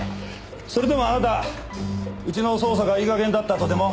それともあなたうちの捜査がいい加減だったとでも？